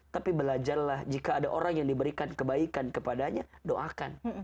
tapi belajarlah jika ada orang yang diberikan kebaikan kepadanya doakan